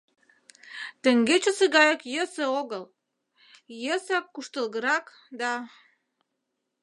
Теҥгечысе гаяк йӧсӧ огыл, йӧсак куштылгырак да...